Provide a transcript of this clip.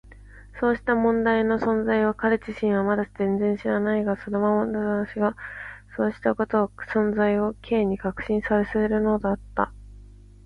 そうした問題の存在を彼自身はまだ全然知らないが、そのまなざしがそうしたことの存在を Ｋ に確信させるのだった。